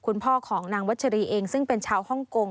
คุณพ่อของนางวัชรีเองซึ่งเป็นชาวฮ่องกง